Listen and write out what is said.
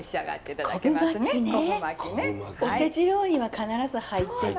おせち料理は必ず入ってて。